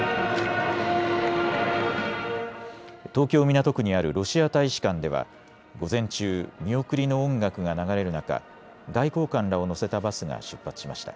東京港区にあるロシア大使館では午前中、見送りの音楽が流れる中、外交官らを乗せたバスが出発しました。